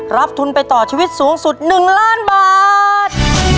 รับทุนไปต่อชีวิตสูงสุด๑ล้านบาท